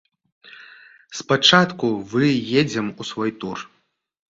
Спачатку вы едзем у свой тур.